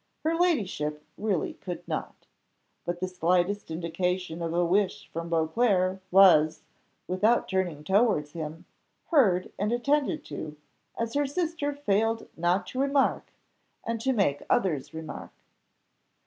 Her ladyship really could not. But the slightest indication of a wish from Beauclerc, was, without turning towards him, heard and attended to, as her sister failed not to remark and to make others remark.